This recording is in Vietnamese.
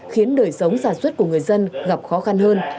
khiến đời sống sản xuất của người dân gặp khó khăn hơn